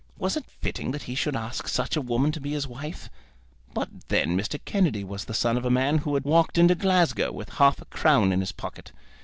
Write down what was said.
Was it fitting that he should ask such a woman to be his wife? But then Mr. Kennedy was the son of a man who had walked into Glasgow with half a crown in his pocket.